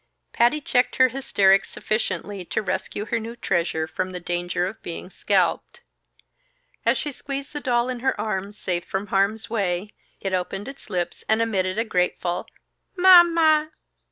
Patty checked her hysterics sufficiently to rescue her new treasure from the danger of being scalped. As she squeezed the doll in her arms, safe from harm's way, it opened its lips and emitted a grateful, "_Ma ma!